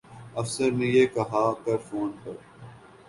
افسر یہ کہہ کر فون پر